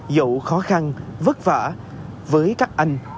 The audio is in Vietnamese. dẫu khó khăn vất vả với các anh